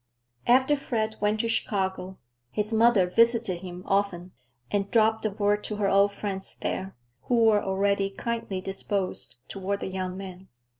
After Fred went to Chicago, his mother visited him often, and dropped a word to her old friends there, who were already kindly disposed toward the young man.